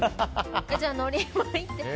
じゃあ、のり巻いて。